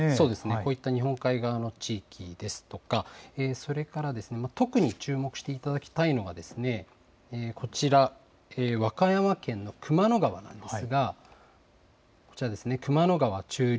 こういった日本海側の地域ですとか、それから特に注目していただきたいのが、こちら、和歌山県の熊野川なんですが、こちらですね、熊野川中流。